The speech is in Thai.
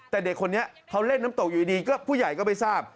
แต่เด็กคนนี้เขาเล่นน้ำตกอยู่ดีก็ผู้ใหญ่ก็ไม่ทราบ